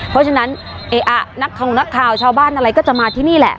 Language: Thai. เพราะฉะนั้นของนักข่าวชาวบ้านอะไรก็จะมาที่นี่แหละ